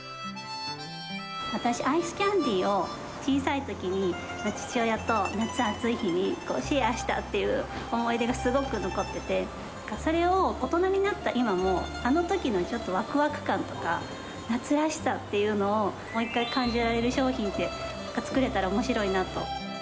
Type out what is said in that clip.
私、アイスキャンディーを小さいときに父親と夏、暑い日にシェアしたっていう思い出がすごく残ってて、それを大人になった今も、あのときのちょっとわくわく感とか、夏らしさっていうのを、もう一回感じられる商品を作れたらおもしろいなと。